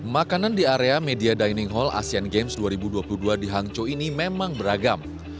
makanan di area media dining hall asean games dua ribu dua puluh dua di hangzhou ini memang beragam